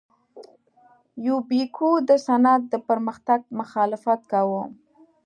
یوبیکو د صنعت د پرمختګ مخالفت کاوه.